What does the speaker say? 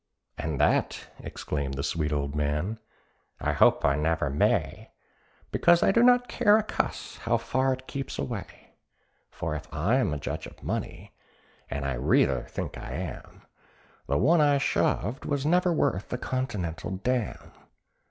"And that," exclaimed the sweet old man, "I hope I never may, Because I do not care a cuss how far it keeps away; For if I'm a judge of money, and I reether think I am, The one I shoved was never worth a continental dam.